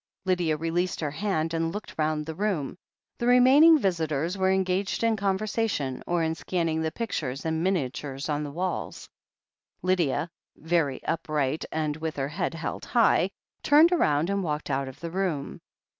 Lydia released her hand and looked round the room. The remaining visitors were engaged in conversation, or in scanning the pictures and miniatures on the walls. Lydia, very upright and with her head held high, turned round and walked out of the room.